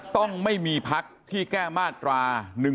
ต้องไม่มีพักที่แก้มาตรา๑๑๒